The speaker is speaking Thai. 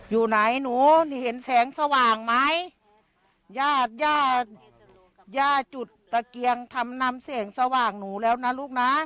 อยู่ไหนหนูนี่เห็นแสงสว่างไหมญาติย่าย่าจุดตะเกียงทำนำแสงสว่างหนูแล้วนะลูกนะ